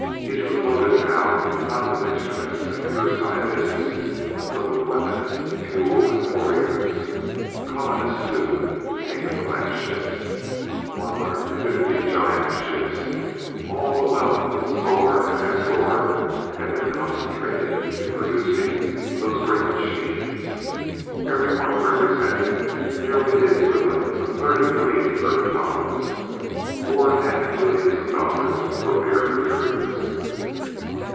Each was loaded now not with instruments and pure scientists, but with weapons, fuel and warriors. Colonists too, came in the last ships. One hundred and fifty giant ships. All the wealth of Sthor and Asthor had been concentrated in producing those great machines. Every one represented nearly the equivalent of thirty million Earth dollars. Four and a half billions of dollars for mere materials.